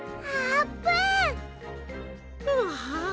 うわ。